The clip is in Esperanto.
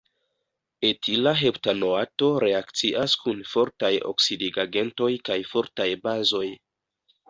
Etila heptanoato reakcias kun fortaj oksidigagentoj kaj fortaj bazoj.